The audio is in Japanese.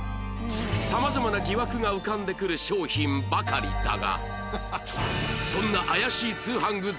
様々な疑惑が浮かんでくる商品ばかりだが